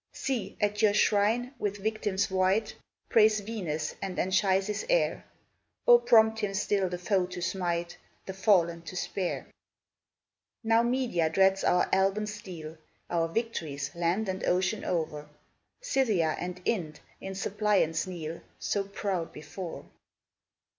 See, at your shrine, with victims white, Prays Venus and Anchises' heir! O prompt him still the foe to smite, The fallen to spare! Now Media dreads our Alban steel, Our victories land and ocean o'er; Scythia and Ind in suppliance kneel, So proud before.